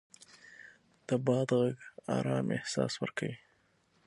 د باد غږ ارام احساس ورکوي